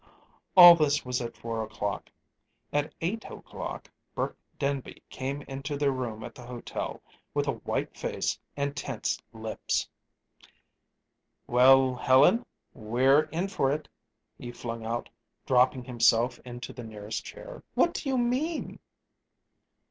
All this was at four o'clock. At eight o'clock Burke Denby came into their room at the hotel with a white face and tense lips. "Well, Helen, we're in for it," he flung out, dropping himself into the nearest chair. "What do you mean?"